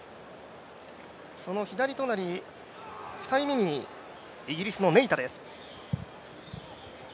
その左隣、２人目にイギリスのネイタです。